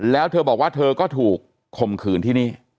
แล้วเธอบอกว่าเธอก็ถูกข่มขืนที่นี่